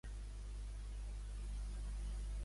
Els manifestants han marxat de Pl.